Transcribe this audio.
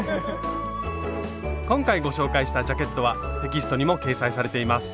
今回ご紹介したジャケットはテキストにも掲載されています。